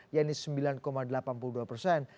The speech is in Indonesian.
yaitu sembilan delapan puluh dua persen